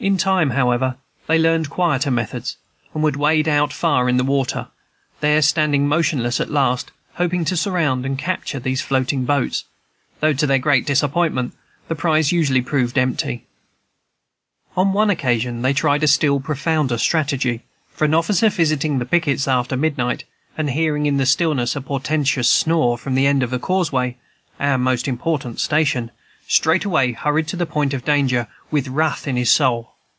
In time, however, they learned quieter methods, and would wade far out in the water, there standing motionless at last, hoping to surround and capture these floating boats, though, to their great disappointment, the prize usually proved empty. On one occasion they tried a still profounder strategy; for an officer visiting the pickets after midnight, and hearing in the stillness a portentous snore from the end of the causeway (our most important station), straightway hurried to the point of danger, with wrath in his soul.